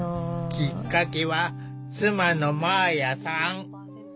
きっかけは妻の麻綾さん。